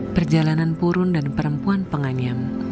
perjalanan purun dan perempuan penganyam